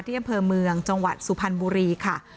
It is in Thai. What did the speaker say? อำเภอเมืองจังหวัดสุพรรณบุรีค่ะ